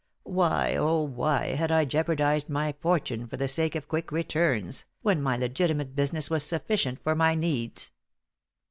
Why, oh! why, had I jeopardized my fortune for the sake of quick returns, when my legitimate business was sufficient for my needs?